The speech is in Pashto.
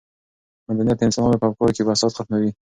مدنیت د انسانانو په افکارو کې بساطت ختموي.